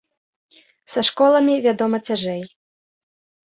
Са школамі, вядома, цяжэй.